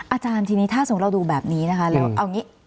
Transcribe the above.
อาจารย์ทีนี้ถ้าสงเราดูแบบนี้นะคะแล้วเอางี้